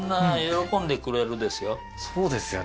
そうですよね